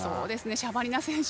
シャバリナ選手